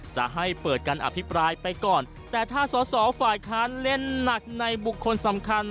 จะให้เปิดการอภิปรายไปก่อนแต่ถ้าสอสอฝ่ายค้านเล่นหนักในบุคคลสำคัญ